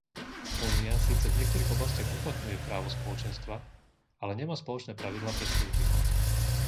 Únia síce v niektorých oblastiach uplatňuje právo Spoločenstva, ale nemá spoločné pravidlá pre služby.